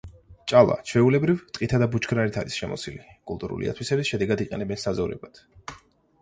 ჭალა, ჩვეულებრივ, ტყითა და ბუჩქნარით არის შემოსილი, კულტურული ათვისების შედეგად იყენებენ საძოვრებად.